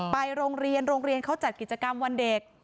ไปโรงเรียนโรงเรียนเขาจัดกิจกรรมวันเด็ก